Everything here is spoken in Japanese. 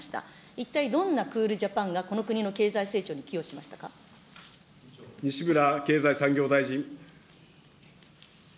一体どんなクールジャパンがこの西村経済産業大臣。